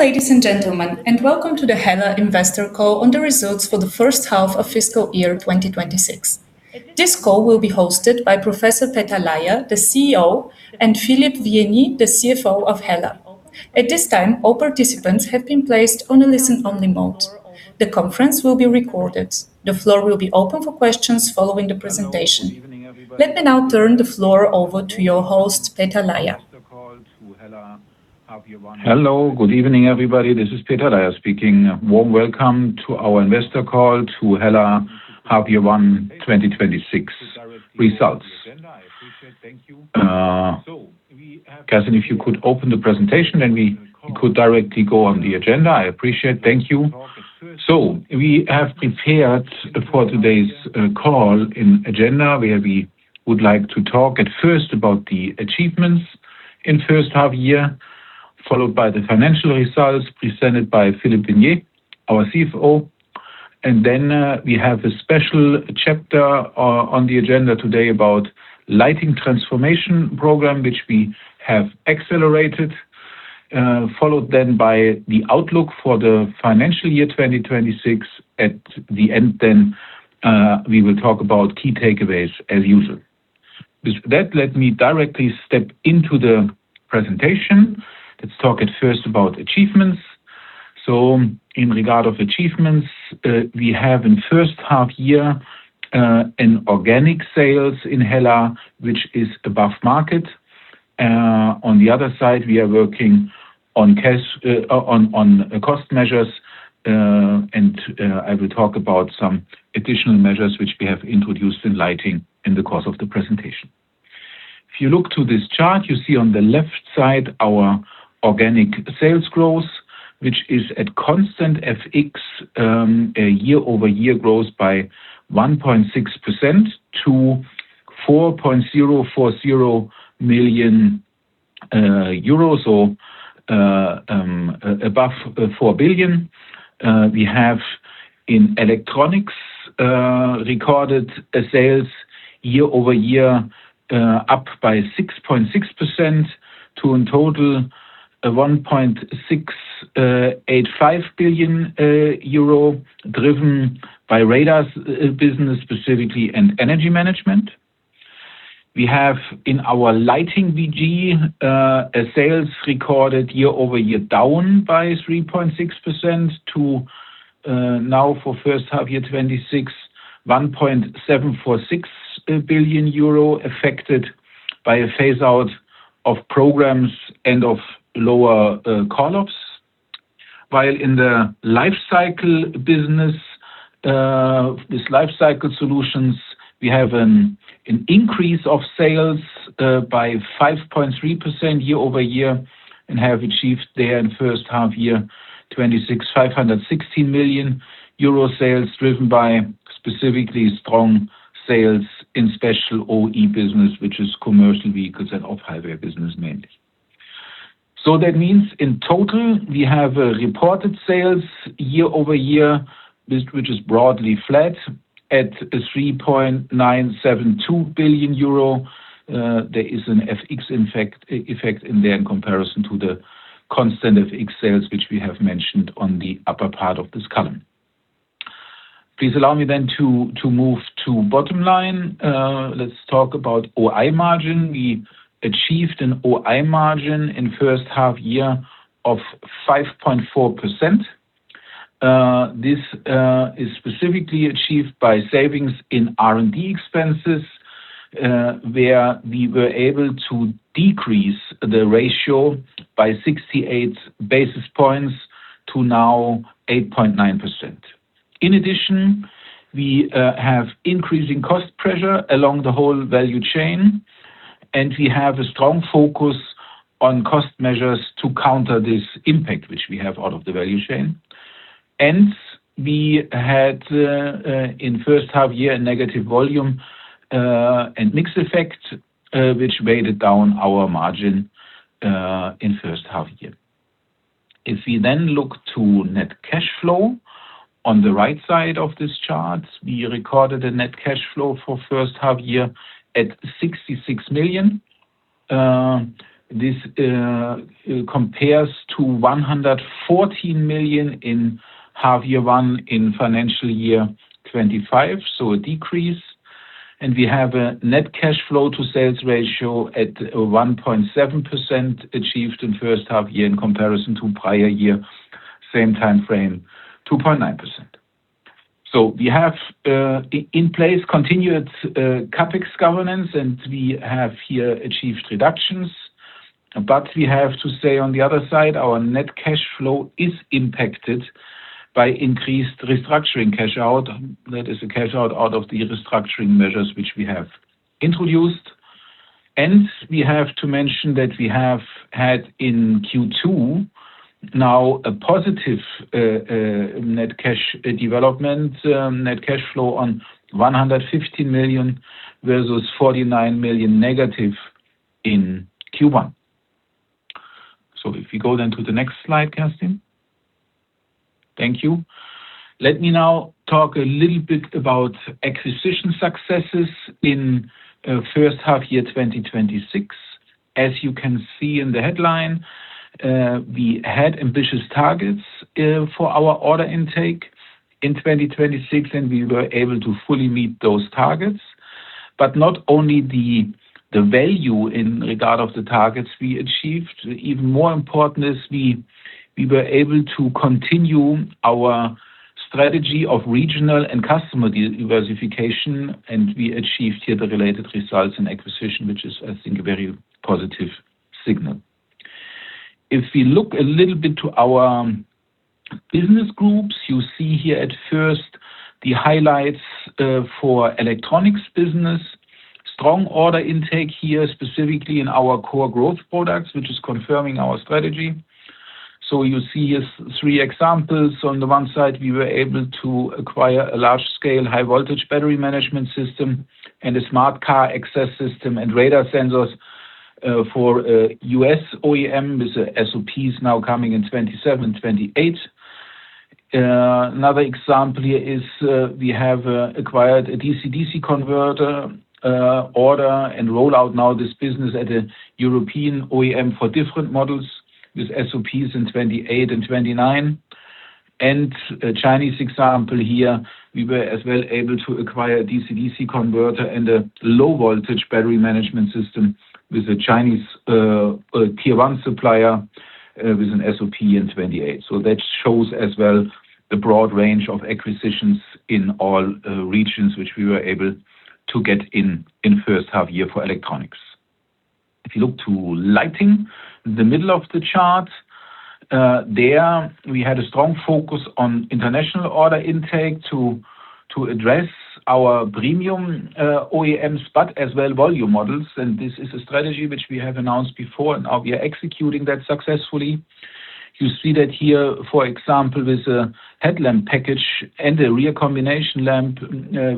Hello, ladies and gentlemen, and welcome to the HELLA investor call on the results for the first half of fiscal year 2026. This call will be hosted by Professor Peter Laier, the CEO, and Philip Vienney, the CFO of HELLA. At this time, all participants have been placed on a listen-only mode. The conference will be recorded. The floor will be open for questions following the presentation. Let me now turn the floor over to your host, Peter Laier. Hello. Good evening, everybody. This is Peter Laier speaking. Warm welcome to our investor call to HELLA H1 2026 results. Kerstin, if you could open the presentation, we could directly go on the agenda. I appreciate it. Thank you. We have prepared for today's call an agenda where we would like to talk at first about the achievements in the H1, followed by the financial results presented by Philip Vienney, our CFO. We have a special chapter on the agenda today about Lighting Transformation Program, which we have accelerated. Followed by the outlook for the FY 2026. At the end, we will talk about key takeaways as usual. With that, let me directly step into the presentation. Let's talk at first about achievements. In regard of achievements, we have in the H1 in organic sales in HELLA, which is above market. On the other side, we are working on cost measures. I will talk about some additional measures which we have introduced in lighting in the course of the presentation. If you look to this chart, you see on the left side our organic sales growth, which is at constant FX, a year-over-year growth by 1.6% to 4,040 million euro or above 4 billion. We have in electronics, recorded sales year-over-year, up by 6.6% to a total of 1.685 billion euro, driven by radars business specifically and energy management. We have in our lighting VG, sales recorded year-over-year, down by 3.6% to now for the H1 2026, 1.746 billion euro affected by a phase-out of programs and of lower call-offs. While in the lifecycle business, this lifecycle solutions, we have an increase of sales by 5.3% year-over-year and have achieved there in the H1 2026, 516 million euro sales, driven by specifically strong sales in special OE business, which is commercial vehicles and off-highway business mainly. That means in total, we have reported sales year-over-year, which is broadly flat at 3.972 billion euro. There is an FX effect in their comparison to the constant FX sales, which we have mentioned on the upper part of this column. Please allow me to move to bottom line. Let's talk about OI margin. We achieved an OI margin in the H1 of 5.4%. This is specifically achieved by savings in R&D expenses, where we were able to decrease the ratio by 68 basis points to now 8.9%. In addition, we have increasing cost pressure along the whole value chain, and we have a strong focus on cost measures to counter this impact which we have out of the value chain. We had in the first half year a negative volume and mix effect, which weighted down our margin in the first half year. If we look to net cash flow, on the right side of this chart, we recorded a net cash flow for the first half year at 66 million. This compares to 114 million in half year one in FY 2025, so a decrease. We have a net cash flow to sales ratio at 1.7% achieved in the first half year in comparison to prior year, same time frame, 2.9%. We have in place continued CapEx governance, and we have here achieved reductions. We have to say on the other side, our net cash flow is impacted by increased restructuring cash out. That is a cash out out of the restructuring measures which we have introduced. We have to mention that we have had in Q2 now a positive net cash development. Net cash flow on 150 million versus 49 million negative in Q1. If we go to the next slide, Kerstin, thank you. Let me now talk a little bit about acquisition successes in first half year 2026. As you can see in the headline, we had ambitious targets for our order intake in 2026, and we were able to fully meet those targets. Not only the value in regard of the targets we achieved, even more important is we were able to continue our strategy of regional and customer diversification, and we achieved here the related results and acquisition, which is, I think, a very positive signal. If we look a little bit to our business groups, you see here at first the highlights for electronics business. Strong order intake here, specifically in our core growth products, which is confirming our strategy. You see here three examples. On the one side, we were able to acquire a large-scale high voltage battery management system and a smart car access system and radar sensors for U.S. OEM with SOPs now coming in 2027 and 2028. Another example here is we have acquired a DC/DC converter order and roll out now this business at a European OEM for different models with SOPs in 2028 and 2029. A Chinese example here, we were as well able to acquire DC/DC converter and a low voltage battery management system with a Chinese Tier 1 supplier with an SOP in 2028. That shows as well the broad range of acquisitions in all regions which we were able to get in first half year for electronics. If you look to lighting in the middle of the chart, there we had a strong focus on international order intake to address our premium OEMs but as well volume models, and this is a strategy which we have announced before, and now we are executing that successfully. You see that here, for example, with a headlamp package and a rear combination lamp,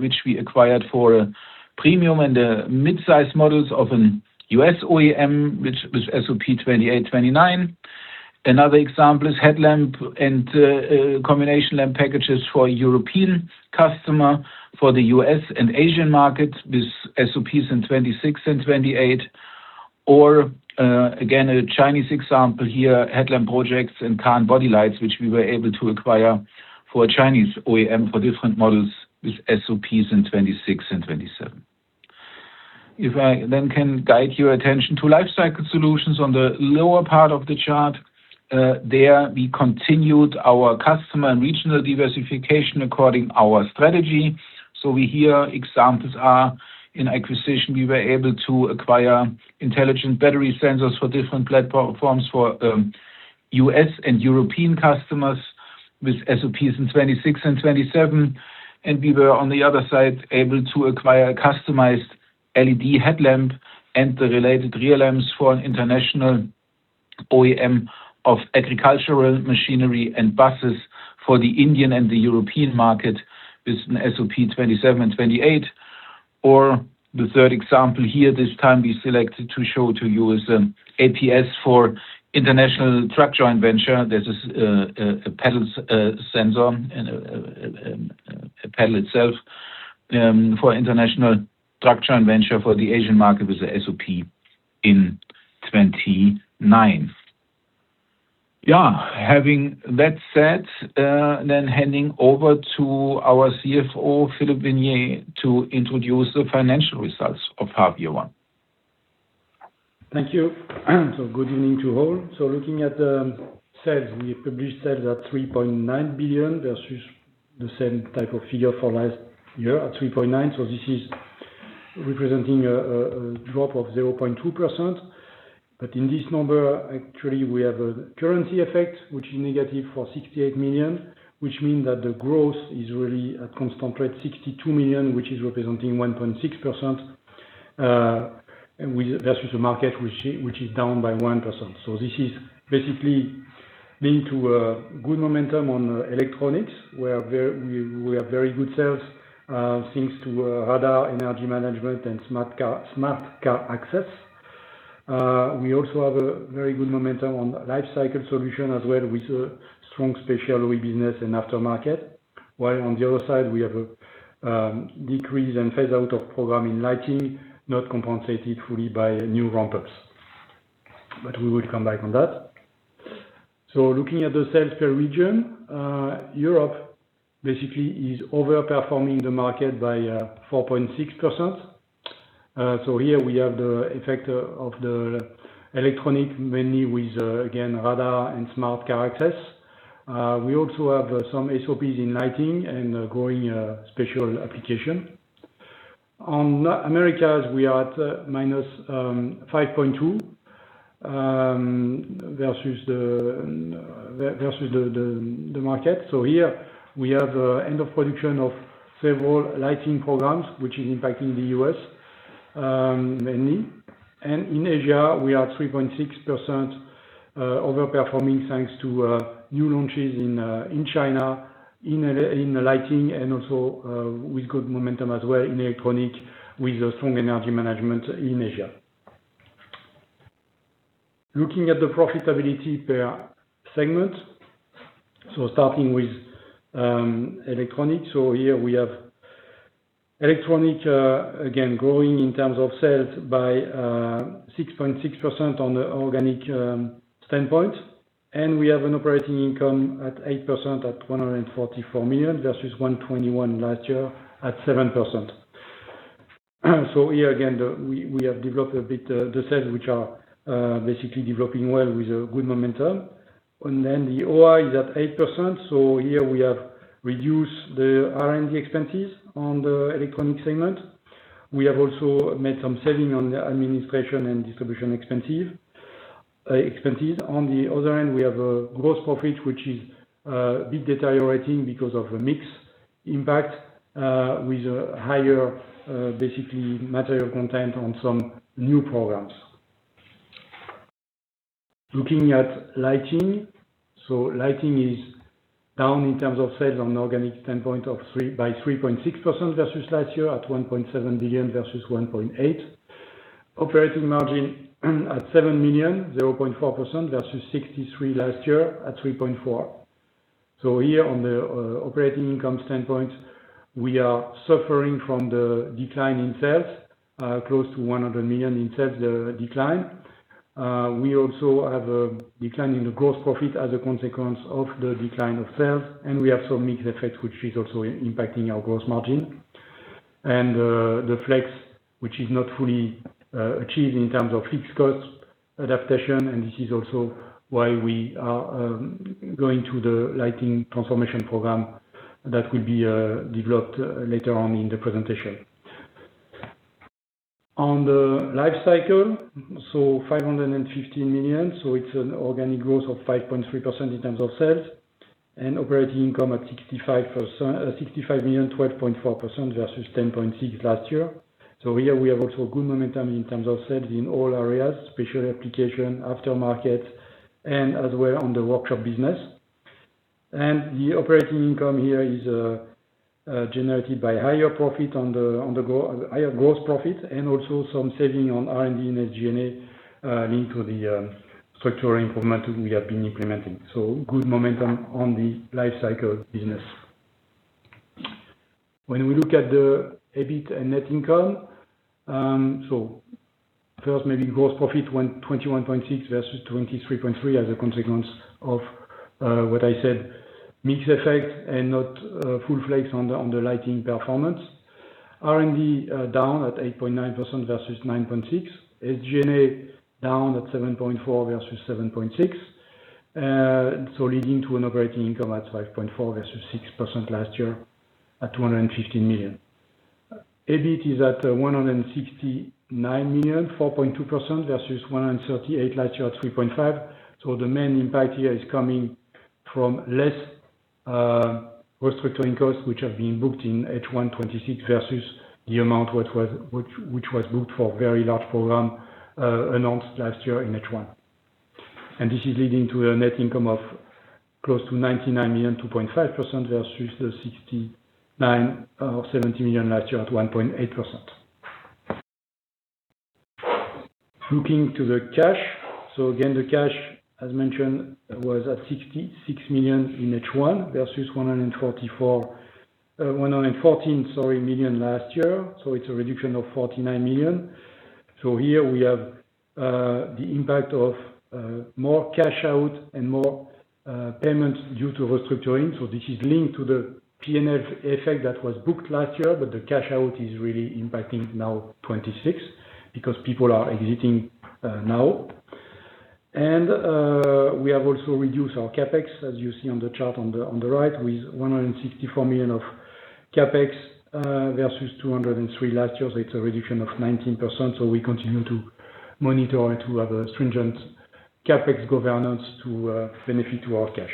which we acquired for a premium and a mid-size models of an U.S. OEM, which was SOP 2028, 2029. Another example is headlamp and combination lamp packages for European customer for the U.S. and Asian markets with SOPs in 2026 and 2028. Again, a Chinese example here, headlamp projects and car and body lights, which we were able to acquire for a Chinese OEM for different models with SOPs in 2026 and 2027. I then can guide your attention to lifecycle solutions on the lower part of the chart. There we continued our customer and regional diversification according our strategy. We hear examples are in acquisition, we were able to acquire intelligent battery sensors for different platforms for U.S. and European customers with SOPs in 2026 and 2027. We were, on the other side, able to acquire customized LED headlamp and the related rear lamps for an international OEM of agricultural machinery and buses for the Indian and the European market with an SOP 2027 and 2028. The third example here this time we selected to show to you is an APS for international truck joint venture. This is a pedal sensor and a pedal itself, for international truck joint venture for the Asian market with the SOP in 2029. Having that said, handing over to our CFO, Philip Vienney, to introduce the financial results of half year one. Thank you. Good evening to all. Looking at the sales, we published sales at 3.9 billion versus the same type of figure for last year at 3.9 billion. This is representing a drop of 0.2%. In this number, actually, we have a currency effect, which is negative for 68 million, which mean that the growth is really at constant rate, 62 million, which is representing 1.6%, versus the market, which is down by 1%. This is basically linked to a good momentum on electronics. We have very good sales, thanks to radar energy management and smart car access. We also have a very good momentum on lifecycle solution as well with a strong specialty business and aftermarket. While on the other side, we have a decrease and phase out of program in lighting, not compensated fully by new ramp-ups. We will come back on that. Looking at the sales per region, Europe basically is overperforming the market by 4.6%. Here we have the effect of the electronic mainly with, again, radar and smart car access. We also have some SOPs in lighting and growing special application. On Americas, we are at -5.2% versus the market. Here we have end of production of several lighting programs, which is impacting the U.S., mainly. In Asia, we are 3.6% overperforming thanks to new launches in China, in lighting and also with good momentum as well in electronic with a strong energy management in Asia. Looking at the profitability per segment. Starting with electronics. Here we have electronic again growing in terms of sales by 6.6% on the organic standpoint. We have an operating income at 8% at 144 million versus 121 million last year at 7%. Here again, we have developed a bit the sales, which are basically developing well with a good momentum. The OI is at 8%. Here we have reduced the R&D expenses on the electronic segment. We have also made some saving on the administration and distribution expenses. On the other end, we have a gross profit, which is a bit deteriorating because of a mix impact, with a higher, basically material content on some new programs. Looking at lighting. Lighting is down in terms of sales on organic standpoint by 3.6% versus last year at 1.7 billion versus 1.8 billion. Operating margin at 7 million, 0.4% versus 63 million last year at 3.4%. Here on the operating income standpoint, we are suffering from the decline in sales, close to 100 million in sales decline. We also have a decline in the gross profit as a consequence of the decline of sales. We have some mix effect, which is also impacting our gross margin. The flex, which is not fully achieved in terms of fixed cost adaptation, and this is also why we are going to the Lighting Transformation Program that will be developed later on in the presentation. On the life cycle, 515 million. It's an organic growth of 5.3% in terms of sales and operating income at 65 million, 12.4% versus 10.6% last year. Here we have also good momentum in terms of sales in all areas, special application, aftermarket, and as well on the workshop business. The operating income here is generated by higher gross profit and also some saving on R&D and SG&A, linked to the structural improvement we have been implementing. Good momentum on the life cycle business. When we look at the EBIT and net income. First, maybe gross profit went 21.6% versus 23.3% as a consequence of what I said, mix effect and not full flex on the lighting performance. R&D down at 8.9% versus 9.6%. SG&A down at 7.4% versus 7.6%. Leading to an operating income at 5.4% versus 6% last year at 215 million. EBIT is at 169 million, 4.2% versus 138 million last year at 3.5%. The main impact here is coming from less restructuring costs, which have been booked in H1 2026 versus the amount which was booked for very large program announced last year in H1. This is leading to a net income of close to 99 million, 2.5% versus the 70 million last year at 1.8%. Looking to the cash. Again, the cash as mentioned was at 66 million in H1 versus 114 million last year. It's a reduction of 49 million. Here we have the impact of more cash out and more payments due to restructuring. This is linked to the P&L effect that was booked last year, but the cash out is really impacting now 2026 because people are exiting now. We have also reduced our CapEx, as you see on the chart on the right, with 164 million of CapEx versus 203 million last year. It's a reduction of 19%. We continue to monitor and to have a stringent CapEx governance to benefit to our cash.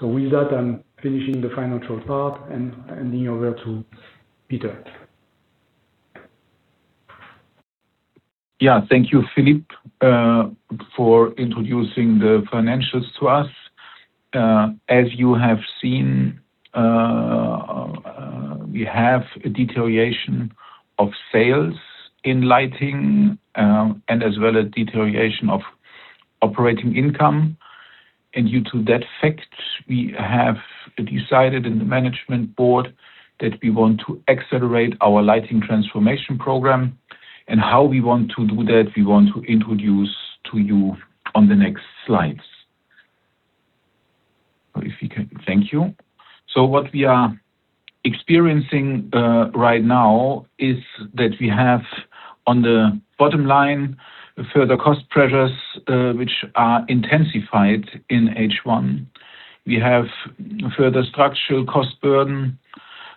With that, I'm finishing the financial part and handing over to Peter. Yeah. Thank you, Philip, for introducing the financials to us. As you have seen, we have a deterioration of sales in lighting, as well as deterioration of operating income. Due to that fact, we have decided in the management board that we want to accelerate our Lighting Transformation Program. How we want to do that, we want to introduce to you on the next slides. If you can, thank you. What we are experiencing right now is that we have, on the bottom line, further cost pressures, which are intensified in H1. We have further structural cost burden,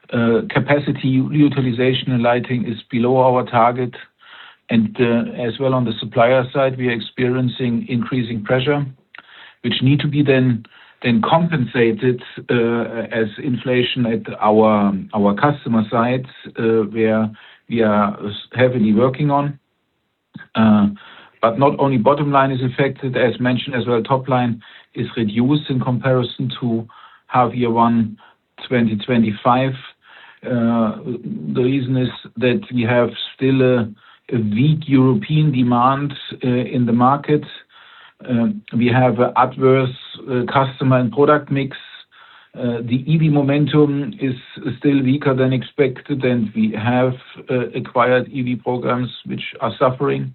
capacity utilization in lighting is below our target. As well on the supplier side, we are experiencing increasing pressure, which need to be then compensated, as inflation at our customer sites, where we are heavily working on. Not only bottom line is affected, as mentioned as well, top line is reduced in comparison to half year one 2025. The reason is that we have still a weak European demand in the market. We have adverse customer and product mix. The EV momentum is still weaker than expected, and we have acquired EV programs which are suffering.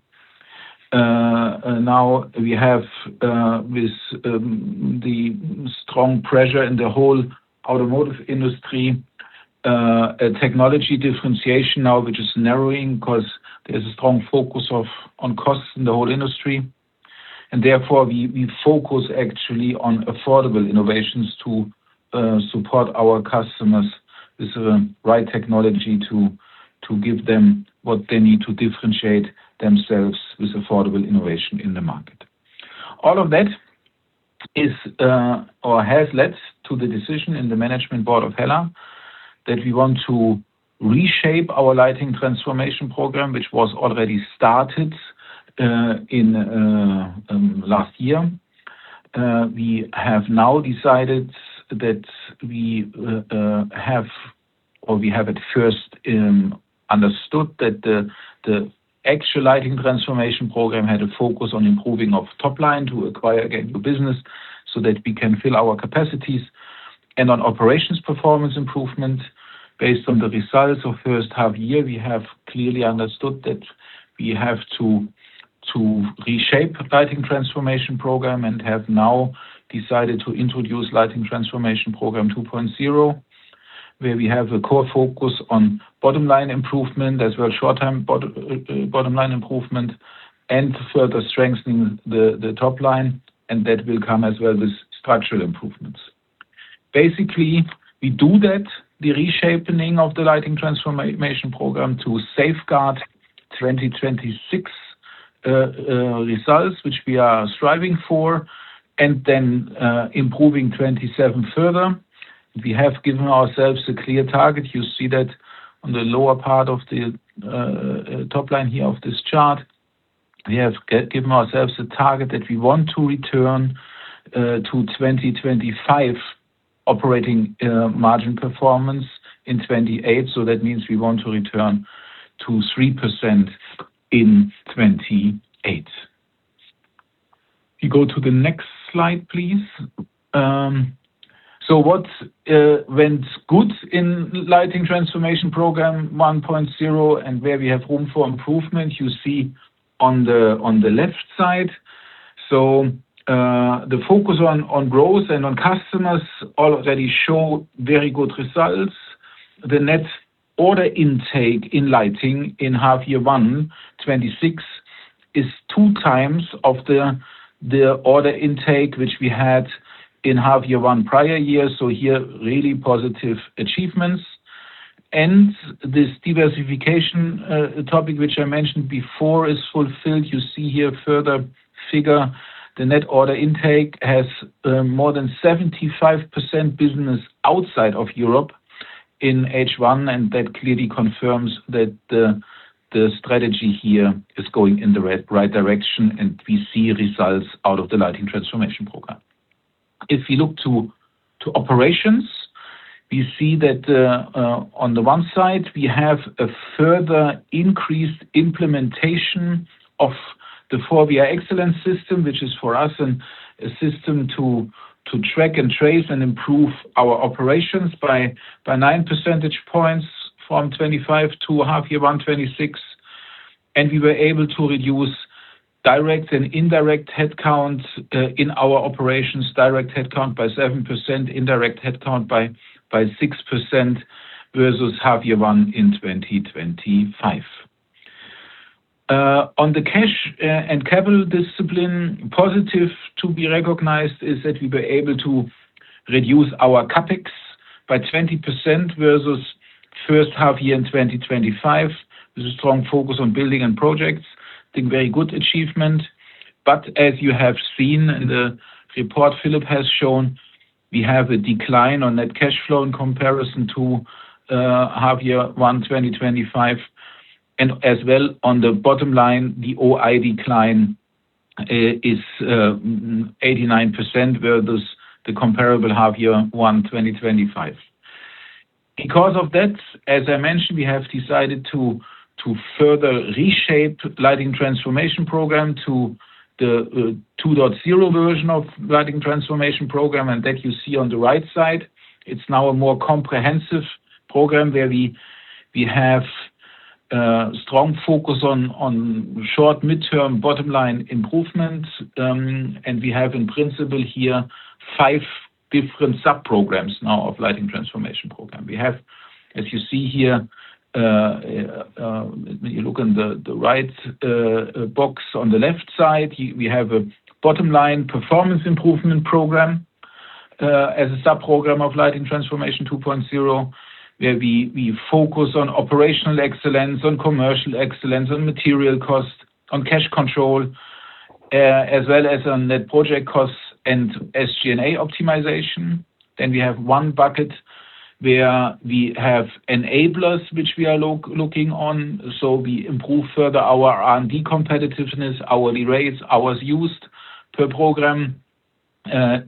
Now we have, with the strong pressure in the whole automotive industry, a technology differentiation now which is narrowing because there is a strong focus on costs in the whole industry. Therefore, we focus actually on affordable innovations to support our customers with the right technology to give them what they need to differentiate themselves with affordable innovation in the market. All of that has led to the decision in the management board of HELLA that we want to reshape our Lighting Transformation Program, which was already started in last year. We have now decided that we have at first understood that the actual Lighting Transformation Program had a focus on improving of top line to acquire, again, new business, so that we can fill our capacities and on operations performance improvement. Based on the results of first half year, we have clearly understood that we have to reshape the Lighting Transformation Program and have now decided to introduce Lighting Transformation Program 2.0, where we have a core focus on bottom-line improvement as well short-term bottom-line improvement, and further strengthening the top line, and that will come as well with structural improvements. Basically, we do that, the reshaping of the Lighting Transformation Program, to safeguard 2026 results, which we are striving for, and then improving 2027 further. We have given ourselves a clear target. You see that on the lower part of the top line here of this chart. We have given ourselves a target that we want to return to 2025 operating margin performance in 2028. That means we want to return to 3% in 2028. If you go to the next slide, please. What went good in Lighting Transformation Program 1.0 and where we have room for improvement, you see on the left side. The focus on growth and on customers already show very good results. The net order intake in lighting in half year one 2026 is 2x of the order intake which we had in half year one prior year. Here, really positive achievements. This diversification topic, which I mentioned before, is fulfilled. You see here further figure, the net order intake has more than 75% business outside of Europe in H1, that clearly confirms that the strategy here is going in the right direction, and we see results out of the Lighting Transformation Program. If you look to operations, we see that on the one side, we have a further increased implementation of the FORVIA Excellence System, which is for us a system to track and trace and improve our operations by nine percentage points from 2025 to H1 2026. We were able to reduce direct and indirect headcount in our operations, direct headcount by 7%, indirect headcount by 6% versus H1 2025. On the cash and capital discipline, positive to be recognized is that we were able to reduce our CapEx by 20% versus H1 2025. This is a strong focus on building and projects, doing very good achievement. As you have seen in the report Philip has shown, we have a decline on net cash flow in comparison to H1 2025, as well on the bottom line, the OID decline is 89% versus the comparable H1 2025. As I mentioned, we have decided to further reshape the Lighting Transformation Program to the 2.0 version of Lighting Transformation Program, that you see on the right side. It is now a more comprehensive program where we have a strong focus on short-, midterm bottom-line improvements. We have in principle here five different sub-programs now of Lighting Transformation Program. We have, as you see here, you look on the right box on the left side, we have a bottom-line performance improvement program as a sub-program of Lighting Transformation 2.0, where we focus on operational excellence, on commercial excellence, on material cost, on cash control, as well as on net project costs and SGA optimization. We have one bucket where we have enablers, which we are looking on. We improve further our R&D competitiveness, our [inaudible] hours used per program.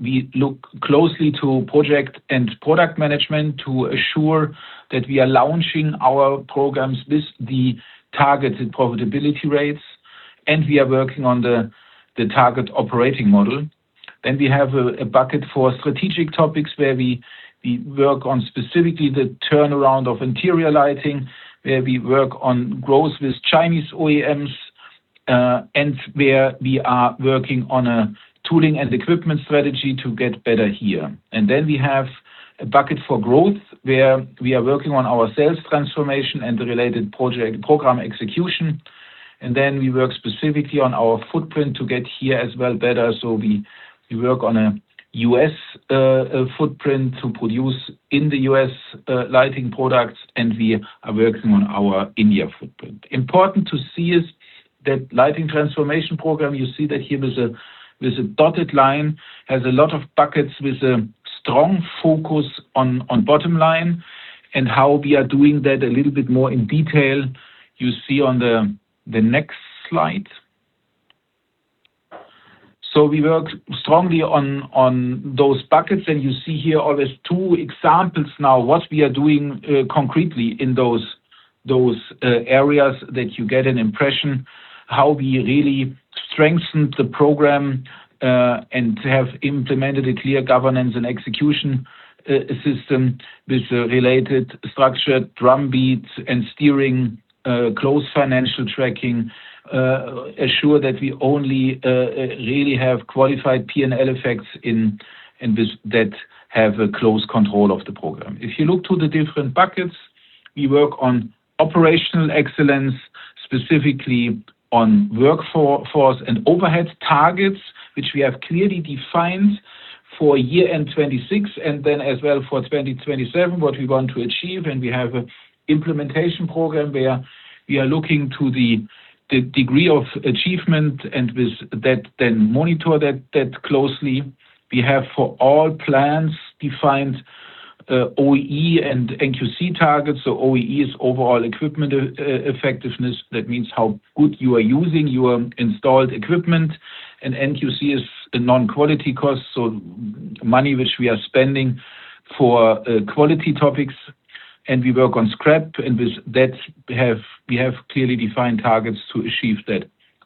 We look closely to project and product management to assure that we are launching our programs with the targeted profitability rates. We are working on the target operating model. We have a bucket for strategic topics where we work on specifically the turnaround of interior lighting, where we work on growth with Chinese OEMs, and where we are working on a tooling and equipment strategy to get better here. We have a bucket for growth, where we are working on our sales transformation and the related program execution. We work specifically on our footprint to get here as well better. We work on a U.S. footprint to produce in the U.S. lighting products, and we are working on our India footprint. Important to see is that Lighting Transformation Program, you see that here there is a dotted line, has a lot of buckets with a strong focus on bottom line. How we are doing that a little bit more in detail, you see on the next slide. We work strongly on those buckets. You see here there are two examples now what we are doing concretely in those areas that you get an impression how we really strengthened the program. We have implemented a clear governance and execution system with a related structured drum beats and steering, close financial tracking, assure that we only really have qualified P&L effects in this that have a close control of the program. If you look to the different buckets, we work on operational excellence, specifically on workforce and overhead targets, which we have clearly defined for year end 2026, then as well for 2027, what we want to achieve. We have an implementation program where we are looking to the degree of achievement and with that, then monitor that closely. We have, for all plants, defined OEE and NQC targets. OEE is overall equipment effectiveness. That means how good you are using your installed equipment. NQC is a non-quality cost, so money which we are spending for quality topics. We work on scrap, and with that, we have clearly defined targets to achieve that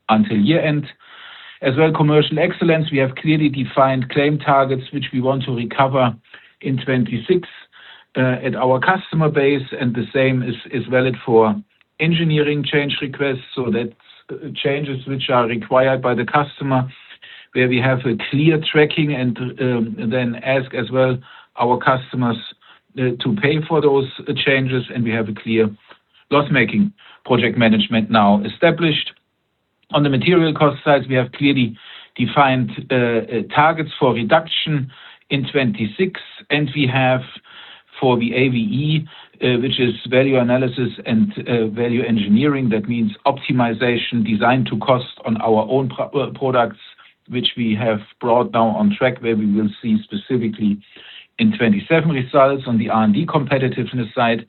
until year-end. As well, commercial excellence. We have clearly defined claim targets, which we want to recover in 2026 at our customer base, and the same is valid for engineering change requests. That is changes which are required by the customer, where we have a clear tracking and then ask as well our customers to pay for those changes. We have a clear loss-making project management now established. On the material cost side, we have clearly defined targets for reduction in 2026. We have for the VAVE, which is Value Analysis and Value Engineering. That means optimization designed to cost on our own products, which we have brought now on track, where we will see specifically in 2027 results. On the R&D competitiveness side,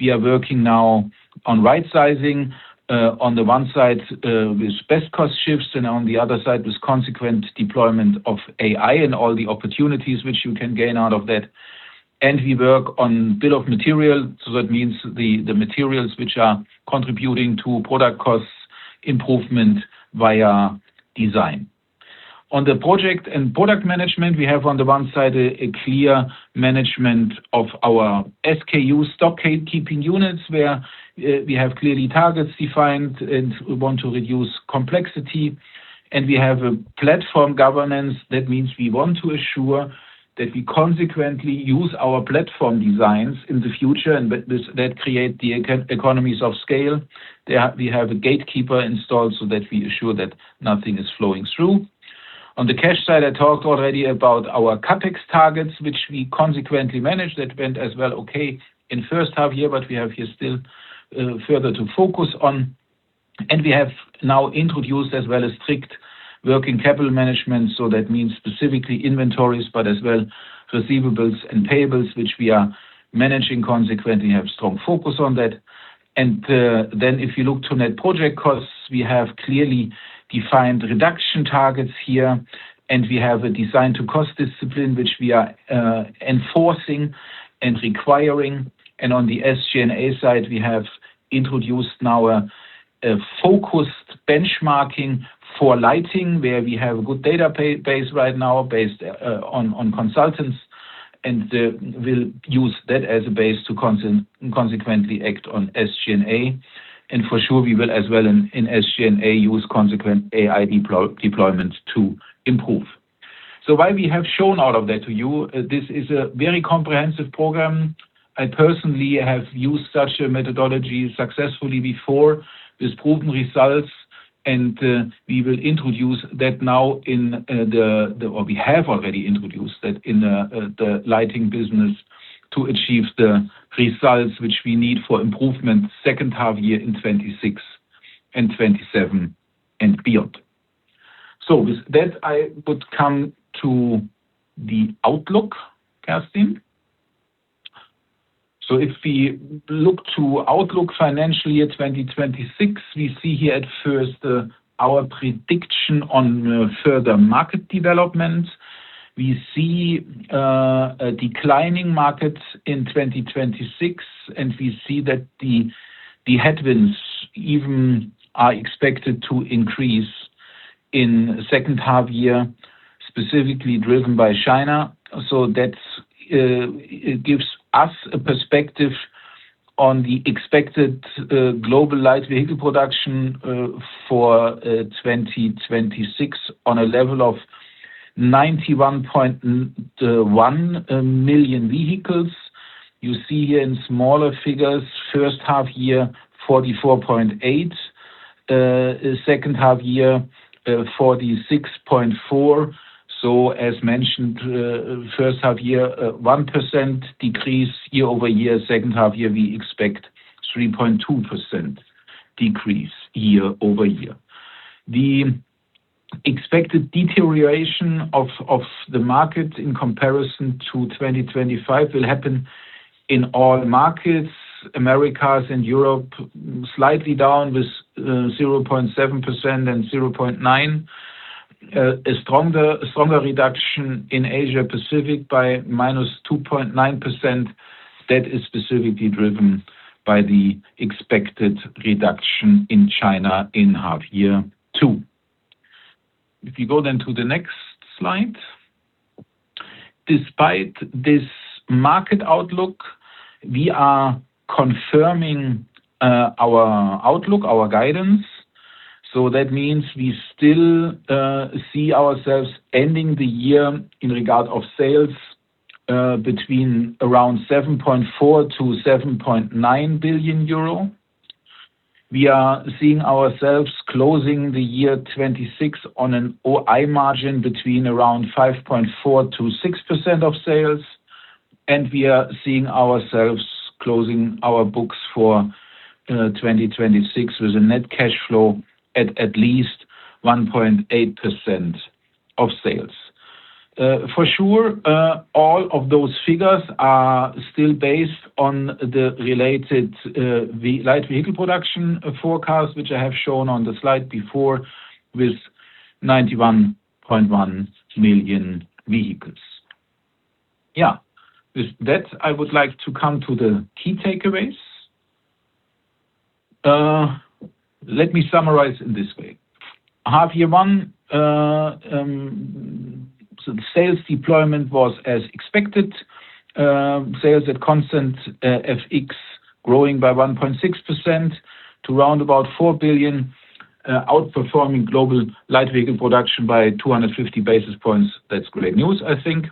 we are working now on right sizing. On the one side with best cost shifts, and on the other side with consequent deployment of AI and all the opportunities which you can gain out of that. We work on bill of material, so that means the materials which are contributing to product costs improvement via design. On the project and product management, we have on the one side a clear management of our SKU, stock keeping units, where we have clearly targets defined, and we want to reduce complexity. We have a platform governance. That means we want to assure that we consequently use our platform designs in the future, and that create the economies of scale. We have a gatekeeper installed so that we ensure that nothing is flowing through. On the cash side, I talked already about our CapEx targets, which we consequently managed. That went as well okay in first half year, but we have here still further to focus on. We have now introduced as well a strict working capital management, so that means specifically inventories, but as well receivables and payables, which we are managing consequently, have strong focus on that. Then if you look to net project costs, we have clearly defined reduction targets here. We have a design to cost discipline, which we are enforcing and requiring. On the SG&A side, we have introduced now a focused benchmarking for lighting, where we have a good database right now based on consultants, and we will use that as a base to consequently act on SG&A. For sure, we will, as well in SG&A, use consequent AI deployments to improve. Why we have shown all of that to you, this is a very comprehensive program. I personally have used such a methodology successfully before with proven results, and we will introduce that now or we have already introduced that in the lighting business to achieve the results which we need for improvement second half year in 2026 and 2027 and beyond. With that, I would come to the outlook, Kerstin. If we look to outlook financially at 2026, we see here at first our prediction on further market development. We see a declining market in 2026, and we see that the headwinds even are expected to increase in second half year, specifically driven by China. That gives us a perspective on the expected global light vehicle production for 2026 on a level of 91.1 million vehicles. You see here in smaller figures, first half year, 44.8. Second half year, 46.4. As mentioned, first half year, 1% decrease year-over-year. Second half year, we expect 3.2% decrease year-over-year. The expected deterioration of the market in comparison to 2025 will happen in all markets. Americas and Europe, slightly down with 0.7% and 0.9%. A stronger reduction in Asia Pacific by minus 2.9%. That is specifically driven by the expected reduction in China in half year two. If you go to the next slide. Despite this market outlook, we are confirming our outlook, our guidance. That means we still see ourselves ending the year in regard of sales between around 7.4 billion-7.9 billion euro. We are seeing ourselves closing the year 2026 on an OI margin between around 5.4%-6% of sales, and we are seeing ourselves closing our books for 2026 with a net cash flow at at least 1.8% of sales. For sure, all of those figures are still based on the related light vehicle production forecast, which I have shown on the slide before with 91.1 million vehicles. With that, I would like to come to the key takeaways. Let me summarize in this way. Half year one, the sales deployment was as expected. Sales at constant FX growing by 1.6% to round about 4 billion, outperforming global light vehicle production by 250 basis points. That's great news, I think.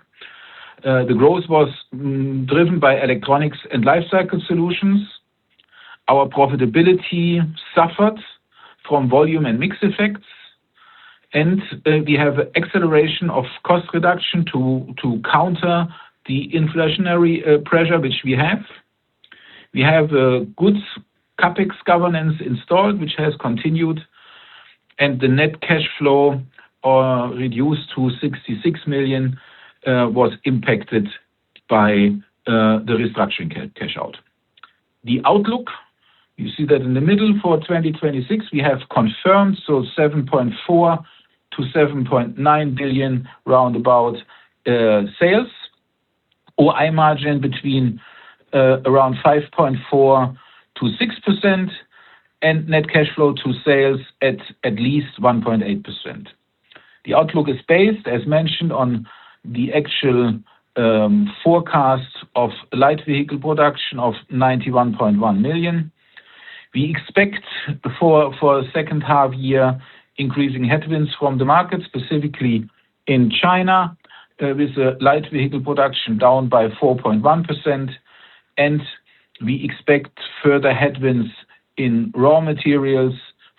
The growth was driven by electronics and life cycle solutions. Our profitability suffered from volume and mix effects, and we have acceleration of cost reduction to counter the inflationary pressure which we have. We have a good CapEx governance installed, which has continued, and the net cash flow reduced to 66 million, was impacted by the restructuring cash out. The outlook, you see that in the middle for 2026, we have confirmed, 7.4 billion-7.9 billion roundabout sales. OI margin between around 5.4%-6%, and net cash flow to sales at at least 1.8%. The outlook is based, as mentioned, on the actual forecasts of light vehicle production of 91.1 million. We expect for the second half year, increasing headwinds from the market, specifically in China, with light vehicle production down by 4.1%, and we expect further headwinds in raw materials,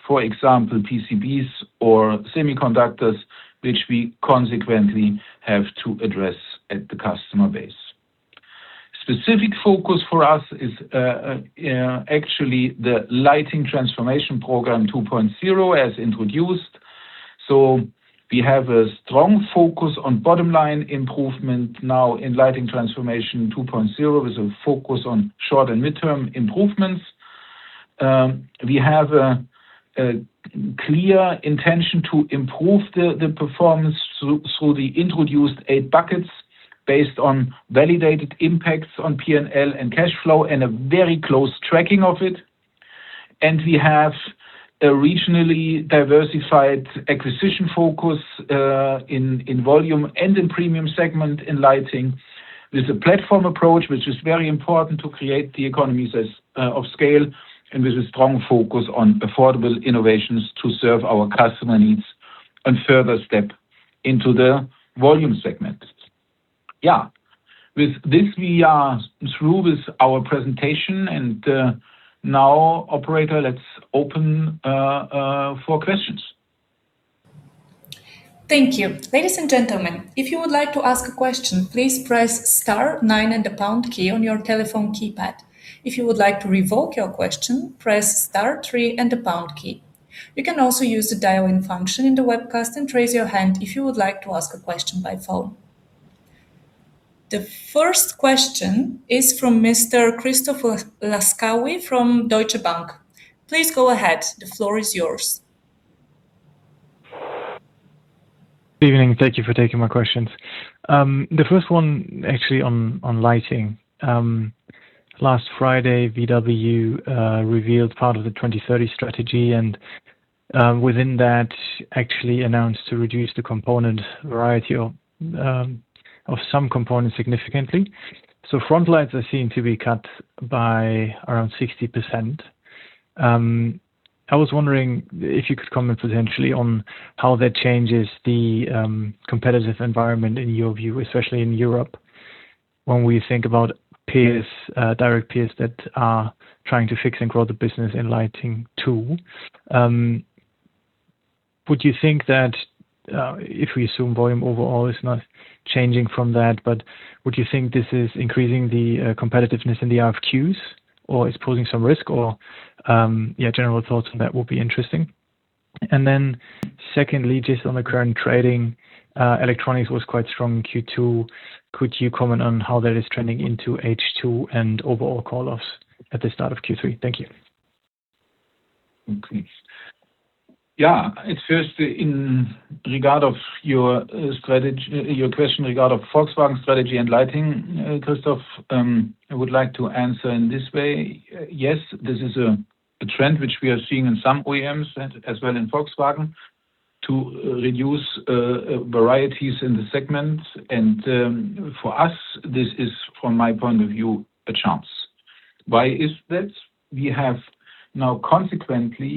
for example, PCBs or semiconductors, which we consequently have to address at the customer base. Specific focus for us is actually the Lighting Transformation Program 2.0, as introduced. We have a strong focus on bottom line improvement now in Lighting Transformation Program 2.0, with a focus on short and midterm improvements. We have a clear intention to improve the performance through the introduced eight buckets based on validated impacts on P&L and cash flow and a very close tracking of it. We have a regionally diversified acquisition focus, in volume and in premium segment in lighting. With a platform approach, which is very important to create the economies of scale, and with a strong focus on affordable innovations to serve our customer needs and further step into the volume segments. With this, we are through with our presentation, now, operator, let's open for questions. Thank you. Ladies and gentlemen, if you would like to ask a question, please press star nine and the pound key on your telephone keypad. If you would like to revoke your question, press star three and the pound key. You can also use the dial-in function in the webcast and raise your hand if you would like to ask a question by phone. The first question is from Mr. Christoph Laskawi from Deutsche Bank. Please go ahead. The floor is yours. Good evening. Thank you for taking my questions. The first one actually on lighting. Last Friday, VW revealed part of the 2030 strategy, within that, actually announced to reduce the component variety of some components significantly. Front lights are seen to be cut by around 60%. I was wondering if you could comment potentially on how that changes the competitive environment in your view, especially in Europe, when we think about direct peers that are trying to fix and grow the business in lighting, too. If we assume volume overall is not changing from that, but would you think this is increasing the competitiveness in the RFQs or is posing some risk? General thoughts on that will be interesting. Then secondly, just on the current trading, electronics was quite strong in Q2. Could you comment on how that is trending into H2 and overall call-offs at the start of Q3? Thank you. Okay. Yeah. First, in regard of your question regard of Volkswagen strategy and lighting, Christoph, I would like to answer in this way. Yes, this is a trend which we are seeing in some OEMs as well in Volkswagen to reduce varieties in the segment. For us, this is, from my point of view, a chance. Why is that? We have now consequently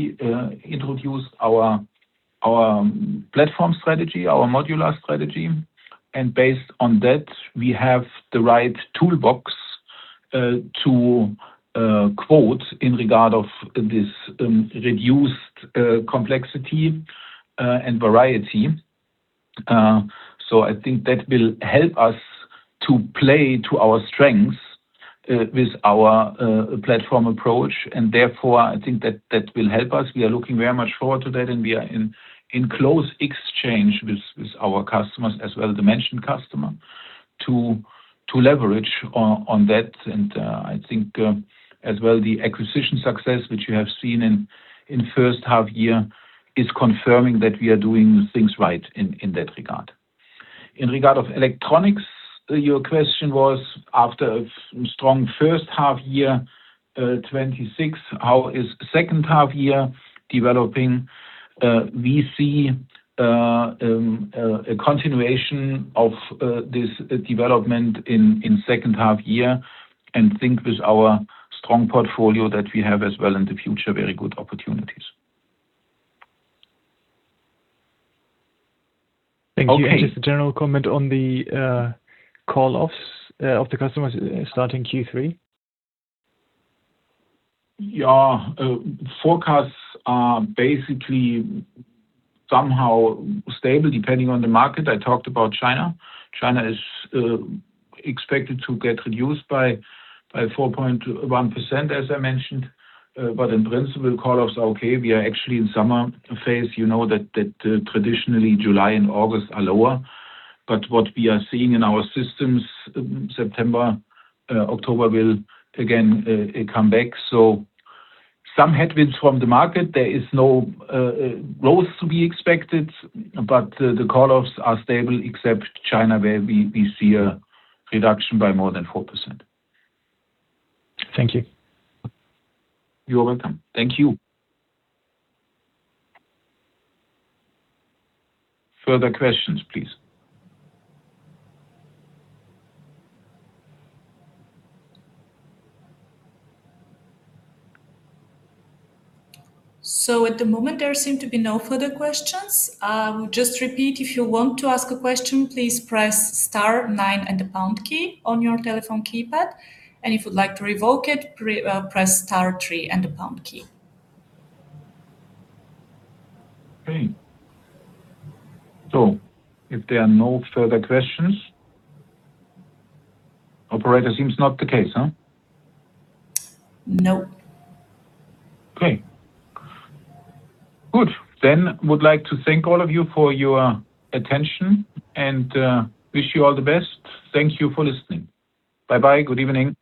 introduced our platform strategy, our modular strategy, and based on that, we have the right toolbox to quote in regard of this reduced complexity and variety. I think that will help us to play to our strengths with our platform approach, and therefore, I think that will help us. We are looking very much forward to that, and we are in close exchange with our customers as well, the mentioned customer, to leverage on that. I think as well the acquisition success, which you have seen in first half year is confirming that we are doing things right in that regard. In regard of electronics, your question was after a strong first half year 2026, how is second half year developing? We see a continuation of this development in second half year and think with our strong portfolio that we have as well in the future, very good opportunities. Thank you. Okay. Just a general comment on the call-offs of the customers starting Q3. Yeah. Forecasts are basically somehow stable depending on the market. I talked about China. China is expected to get reduced by 4.1%, as I mentioned. In principle, call-offs are okay. We are actually in summer phase. You know that traditionally July and August are lower. What we are seeing in our systems, September, October will again come back. Some headwinds from the market. There is no growth to be expected, but the call-offs are stable except China, where we see a reduction by more than 4%. Thank you. You're welcome. Thank you. Further questions, please. At the moment, there seem to be no further questions. I will just repeat, if you want to ask a question, please press star nine and the pound key on your telephone keypad. If you'd like to revoke it, press star three and the pound key. Okay. If there are no further questions. Operator, seems not the case, huh? No Okay. Good. Would like to thank all of you for your attention and wish you all the best. Thank you for listening. Bye-bye. Good evening.